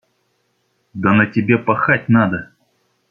Да на тебе пахать надо!